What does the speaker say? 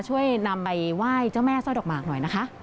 ช่วยนำไปไหว้เจ้าแม่สร้อยดอกหมากหน่อยนะคะ